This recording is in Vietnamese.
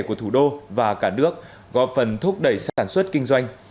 của thủ đô và cả nước góp phần thúc đẩy sản xuất kinh doanh